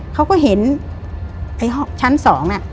เขาก็เห็นชั้น๒อะ